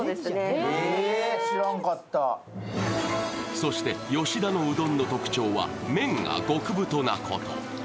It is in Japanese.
そして、吉田のうどんの特徴は麺が極太なこと。